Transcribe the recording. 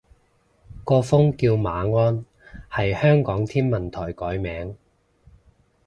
個風叫馬鞍，係香港天文台改名